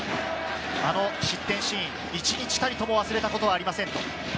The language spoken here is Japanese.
あの失点シーン、一日たりとも忘れたことはありません。